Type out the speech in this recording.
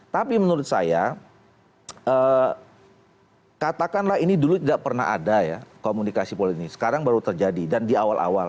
tapi menurut saya katakanlah ini dulu tidak pernah ada ya komunikasi politik sekarang baru terjadi dan di awal awal